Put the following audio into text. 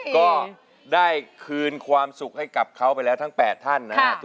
ก็ได้คืนความสุขให้กับเขาไปแล้วทั้ง๘ท่านนะครับ